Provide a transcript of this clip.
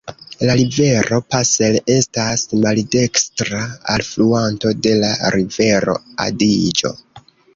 La rivero Passer estas maldekstra alfluanto de la rivero Adiĝo.